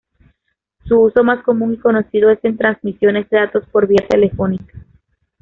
Su uso más común y conocido es en transmisiones de datos por vía telefónica.